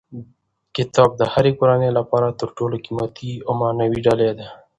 کتاب د هرې کورنۍ لپاره تر ټولو قیمتي او معنوي ډالۍ ده.